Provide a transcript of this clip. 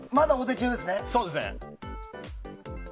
そうですね。